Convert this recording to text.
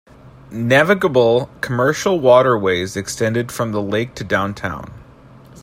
Navigable commercial waterways extended from the lake to downtown.